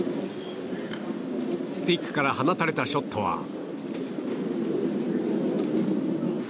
スティックから放たれたショットは。